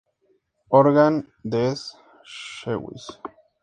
Organ des Schweiz.